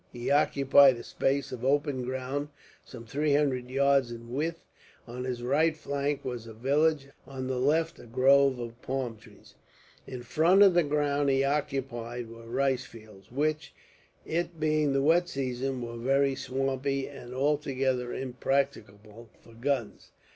He occupied a space of open ground, some three hundred yards in width. On his right flank was a village, on the left a grove of palm trees. In front of the ground he occupied were rice fields, which, it being the wet season, were very swampy, and altogether impracticable for guns.